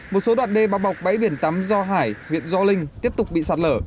một số đoạn đê bao bọc bãi biển tám do hải huyện do linh tiếp tục bị sạt lở